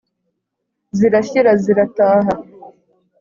Zirashyira zirataha!